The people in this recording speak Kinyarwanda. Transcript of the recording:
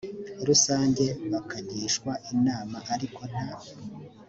rusange bakagishwa inama ariko nta